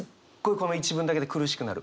この一文だけで苦しくなる。